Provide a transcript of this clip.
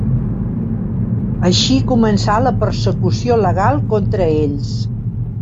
Així començà la persecució legal contra ells.